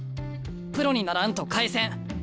プロにならんと返せん。